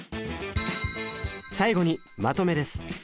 最後にまとめです